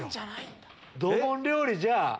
ドボン料理じゃあ。